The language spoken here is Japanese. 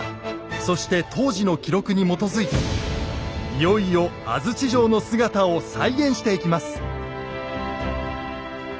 そして当時の記録に基づいていよいよ安土城の姿を再現していきます。